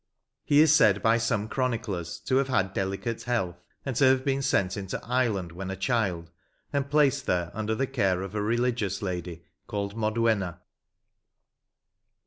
He is said by some chroniclers to have had delicate health, and to have been sent into Ireland when a child, and placed there under the care of a religious lady called Modwenna.